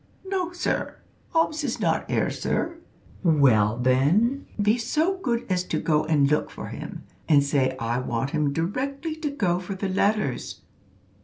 "No, sir; 'Obbs is not 'ere, sir." "Well, then, be so good as to go and look for him, and say I want him directly to go for the letters."